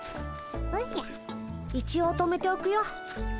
一応止めておくよ。